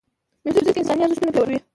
موزیک انساني ارزښتونه پیاوړي کوي.